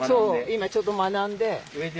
今ちょっと学んで。